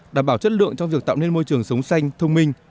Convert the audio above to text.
đảm bảo chất lượng trong việc tạo nên môi trường sống xanh thông minh